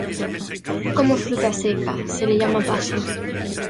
Como fruta seca se la llama pasa.